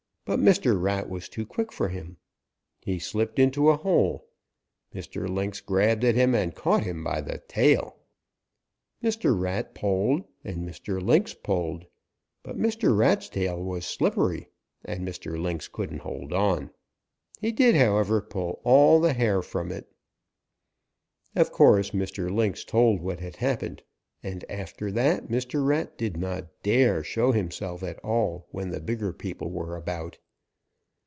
But Mr. Rat was too quick for him. He slipped into a hole. Mr. Lynx grabbed at him and caught him by the tail. Mr. Rat pulled and Mr. Lynx pulled. But Mr. Rat's tail was slippery, and Mr. Lynx couldn't hold on. He did, however, pull all the hair from it. "Of course, Mr. Lynx told what had happened, and after that Mr. Rat did not dare show himself at all when the bigger people were about.